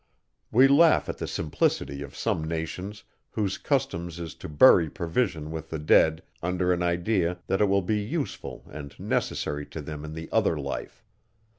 We laugh at the simplicity of some nations, whose custom is to bury provision with the dead, under an idea that it will be useful and necessary to them in the other life.